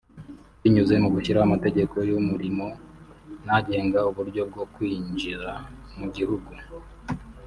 binyuze mu gushyiraho amategeko y’umurimo n’agenga uburyo bwo kwinjira mu gihugu